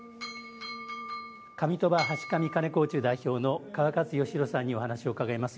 上鳥羽橋上鉦講中代表の川勝義弘さんにお話を伺います。